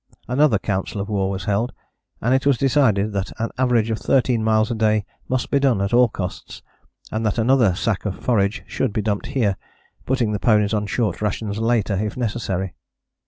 Another council of war was held, and it was decided that an average of thirteen miles a day must be done at all costs, and that another sack of forage should be dumped here, putting the ponies on short rations later, if necessary.